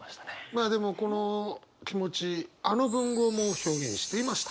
まあでもこの気持ちあの文豪も表現していました。